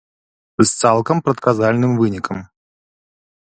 З цалкам прадказальным вынікам.